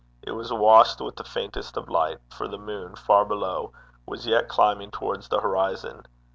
It was washed with the faintest of light, for the moon, far below, was yet climbing towards the horizon.